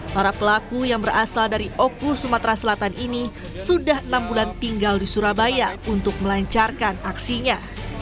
para pelaku yang berasal dari oku sumatera selatan ini sudah enam bulan tinggal di surabaya untuk melancarkan aksinya